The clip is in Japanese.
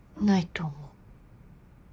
ないと思う。